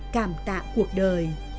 cảm tạng cuộc đời